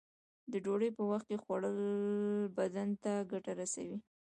د ډوډۍ په وخت خوړل بدن ته ګټه رسوی.